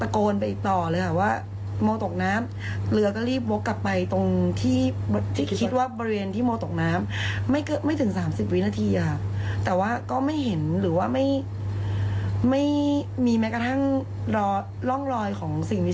แค่เหงาของโมหรือว่าเห็นอะไร